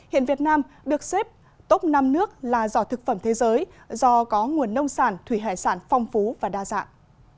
hiện việt nam được xếp top năm nước là giò thực phẩm thế giới do có nguồn nông sản thủy hải sản phong phú và đa dạng